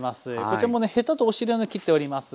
こちらもねヘタとお尻は切っております。